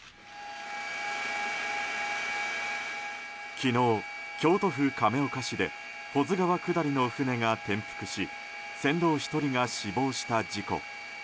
昨日、京都府亀岡市で保津川下りの船が転覆し船頭１人が死亡した事故。